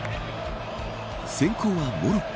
先行はモロッコ。